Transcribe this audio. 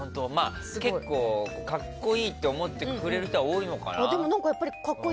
結構、格好いいと思ってくれる人は多いのかな。